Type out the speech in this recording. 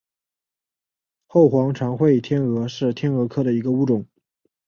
后黄长喙天蛾是天蛾科的一个物种。